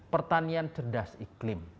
pertanian cerdas iklim